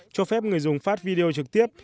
cho phép người dùng phát video trực tiếp